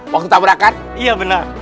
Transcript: waktu tabrakan iya benar